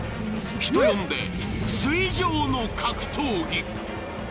人呼んで水上の格闘技。